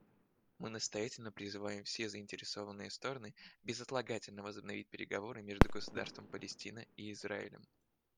Мы настоятельно призываем все заинтересованные стороны безотлагательно возобновить переговоры между Государством Палестина и Израилем.